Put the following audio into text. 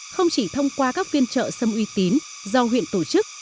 không chỉ thông qua các viên trợ sâm uy tín do huyện tổ chức